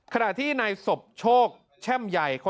ขณะที่นายสมโชคแช่มใหญ่